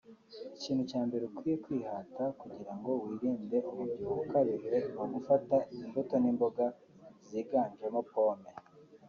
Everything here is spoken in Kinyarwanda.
Ikintu cya mbere ukwiye kwihata kugira ngo wirinde umubyibuho ukabije ni ugufata imbuto n’imboga ziganjemo pomme